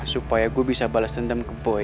supaya gue bisa balas dendam ke boy